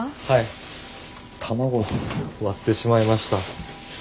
はい卵割ってしまいました。